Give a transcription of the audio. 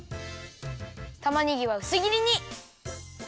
たまねぎはうすぎりに。